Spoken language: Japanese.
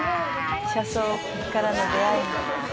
車窓からの出会いも」